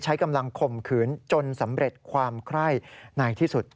ใช้กำลังข่มขืนจนสำเร็จความไคร้ในที่สุด